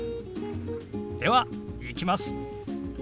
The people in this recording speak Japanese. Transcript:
ではいきます。